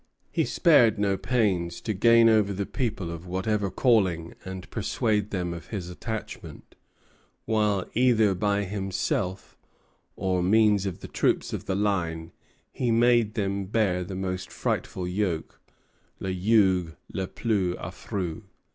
He spared no pains to gain over the people of whatever calling, and persuade them of his attachment; while, either by himself or by means of the troops of the line, he made them bear the most frightful yoke (le joug le plus affreux).